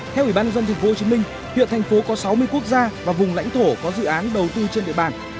theo ủy ban dân tp hcm hiện thành phố có sáu mươi quốc gia và vùng lãnh thổ có dự án đầu tư trên địa bàn